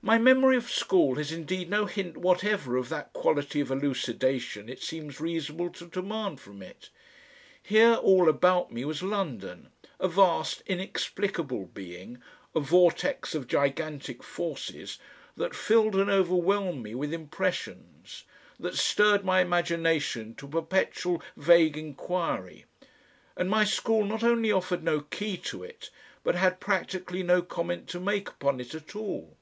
My memory of school has indeed no hint whatever of that quality of elucidation it seems reasonable to demand from it. Here all about me was London, a vast inexplicable being, a vortex of gigantic forces, that filled and overwhelmed me with impressions, that stirred my imagination to a perpetual vague enquiry; and my school not only offered no key to it, but had practically no comment to make upon it at all.